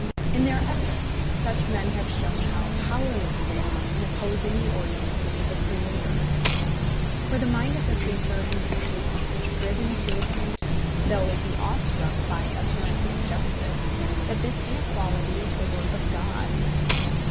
In their efforts such men have shown how powerless they are in opposing the ordinances of the Creator. For the mind of the thinker and the student is driven to admit, though it be awestruck by apparent injustice, that this inequality is the work of God.